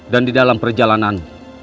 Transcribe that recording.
dan di dalam perjalanan